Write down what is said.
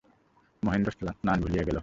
মহেন্দ্র স্নান ভুলিয়া গেল।